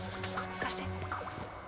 貸して。